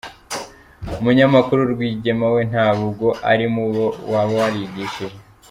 Umunyamakuru: Rwigema we ntabwo ari mu bo waba warigishije?.